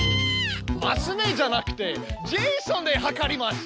マス目じゃなくてジェイソンではかります。